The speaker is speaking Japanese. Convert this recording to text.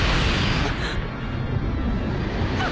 あっ！